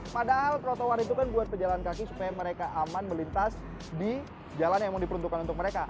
padahal trotoar itu kan buat pejalan kaki supaya mereka aman melintas di jalan yang memang diperuntukkan untuk mereka